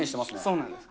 そうなんです。